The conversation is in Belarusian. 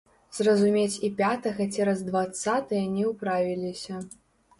Зразумець і пятага цераз дваццатае не ўправіліся.